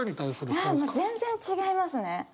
いや全然違いますね！